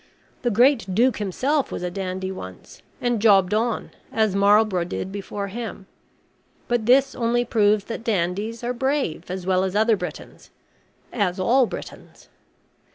The great Duke himself was a dandy once, and jobbed on, as Marlborough did before him. But this only proves that dandies are brave as well as other Britons as all Britons.